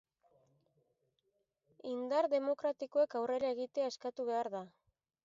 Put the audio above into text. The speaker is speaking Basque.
Indar demokratikoek aurrera egitea eskatu behar da.